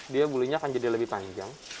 dia bulunya akan jadi lebih panjang